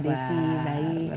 kenapa mbak desy baik